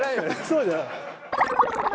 そうだよ。